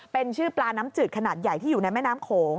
เป็นชื่อปลาน้ำจืดขนาดใหญ่ที่อยู่ในแม่น้ำโขง